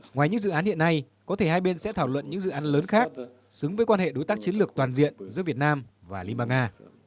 ngoài những dự án hiện nay có thể hai bên sẽ thảo luận những dự án lớn khác xứng với quan hệ đối tác chiến lược toàn diện giữa việt nam và liên bang nga